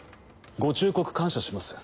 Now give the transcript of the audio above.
ご忠告感謝します。